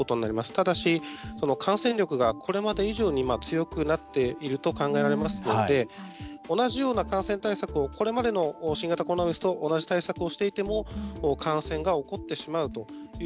ただし、感染力がこれまで以上に強くなっていると考えられますので同じような感染対策をこれまでの新型コロナウイルスと同じ対策をしていても感染が起こってしまうという